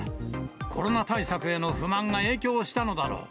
コロナ対策への不満が影響したのだろう。